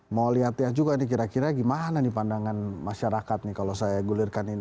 mau lihat lihat juga nih kira kira gimana nih pandangan masyarakat nih kalau saya gulirkan ini